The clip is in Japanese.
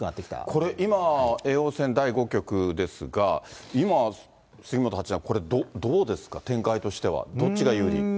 これ、今、叡王戦第５局ですが、今、杉本八段、これ、どうですか、展開としては、どっちが有利？